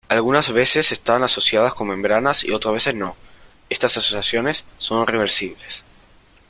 Algunas veces están asociadas con membranas y otras veces no, estas asociaciones son reversibles.